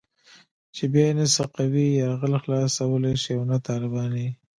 چې بيا يې نه سقوي يرغل خلاصولای شي او نه طالباني.